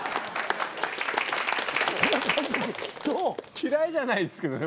嫌いじゃないですけどね